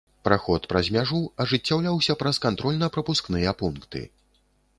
Праход праз мяжу ажыццяўляўся праз кантрольна-прапускныя пункты.